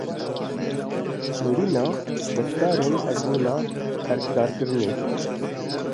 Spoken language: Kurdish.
Nêrîna beşdarên ezmûna erkdarkirinê.